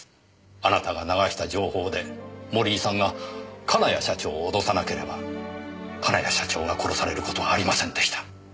あなたが流した情報で森井さんが金谷社長を脅さなければ金谷社長が殺される事はありませんでした。